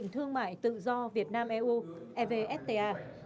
thương mại tự do việt nam eu evfta